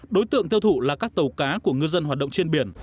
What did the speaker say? đối tượng tiêu thụ là các tàu cá của ngư dân hoạt động trên biển